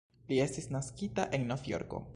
Li estis naskita en Novjorko.